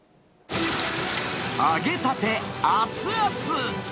揚げたて熱々！